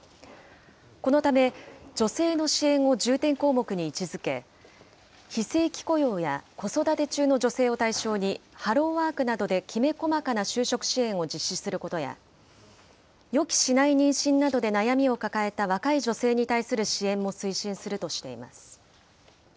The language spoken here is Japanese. このため、女性の支援を重点項目に位置づけ、非正規雇用や、子育て中の女性を対象に、ハローワークなどできめ細かな就職支援を実施することや、予期しない妊娠などで悩みを抱えた若い女性に対する支援も推進するとしています。